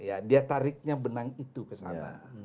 ya dia tariknya benang itu ke sana